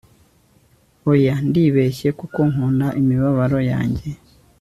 oya, ndibeshya, kuko nkunda imibabaro yanjye